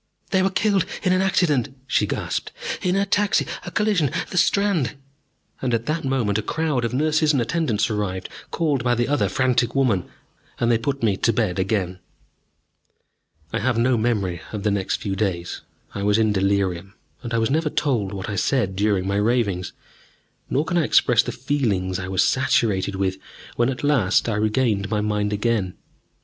"They were killed in an accident," she gasped, "in a taxi a collision the Strand !" And at that moment a crowd of nurses and attendants arrived, called by the other frantic woman, and they put me to bed again. I have no memory of the next few days. I was in delirium, and I was never told what I said during my ravings. Nor can I express the feelings I was saturated with when at last I regained my mind again.